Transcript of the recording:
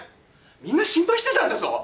みんな心配してたんだぞ。